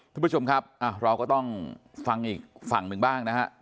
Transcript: ทุกผู้ชมครับเราก็ต้องฟังอีกฝั่งหนึ่งบ้างนะฮะ